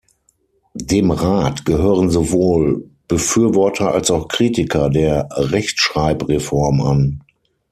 Dem Rat gehören sowohl Befürworter als auch Kritiker der Rechtschreibreform an.